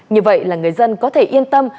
như vậy là người dân có thể yên tâm